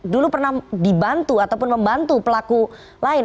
dulu pernah dibantu ataupun membantu pelaku lain